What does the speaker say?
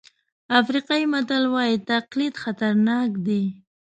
افریقایي متل وایي تقلید خطرناک دی.